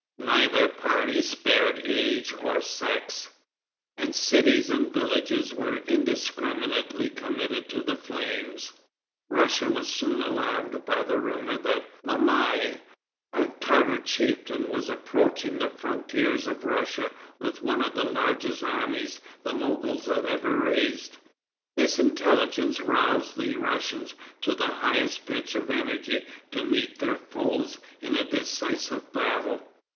Neither party spared age or sex, and cities and villages were indiscriminately committed to the flames. Russia was soon alarmed by the rumor that Mamai, a Tartar chieftain, was approaching the frontiers of Russia with one of the largest armies the Mogols had ever raised. This intelligence roused the Russians to the highest pitch of energy to meet their foes in a decisive battle.